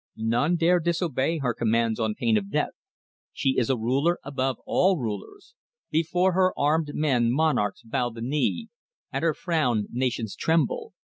None dare disobey her commands on pain of death. She is a ruler above all rulers; before her armed men monarchs bow the knee, at her frown nations tremble.